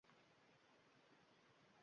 Faqat asta va o‘ziga bildirmay ko‘rinmay ket.